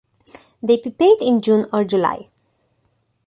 They pupate in June or July.